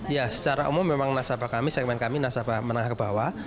ya secara umum memang nasabah kami segmen kami nasabah menang kebawah